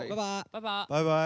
バイバイ！